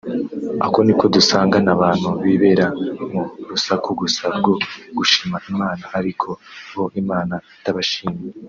ako niko dusangana abantu bibera mu rusaku gusa rwo gushima Imana ariko bo Imana itabashima